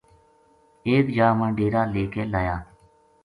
ایک جا ما ڈیر ا لے کے لایا